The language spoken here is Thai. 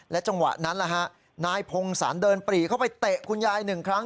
จังหวะนั้นนายพงศรเดินปรีเข้าไปเตะคุณยายหนึ่งครั้ง